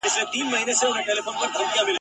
چیغي پورته له سړیو له آسونو !.